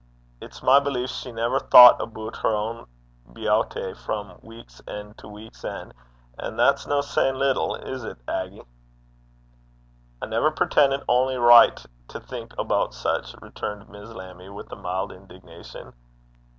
It's my belief she never thocht aboot her ain beowty frae week's en' to week's en', and that's no sayin' little is 't, Aggy?' 'I never preten't ony richt to think aboot sic,' returned Miss Lammie, with a mild indignation.